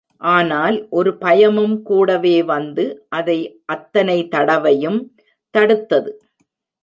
ஆனால் ஒரு பயமும் கூடவே வந்து அதை அத்தனை தடவையும் தடுத்தது.